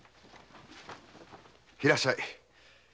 いらっしゃい。